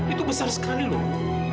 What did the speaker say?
itu besar sekali loh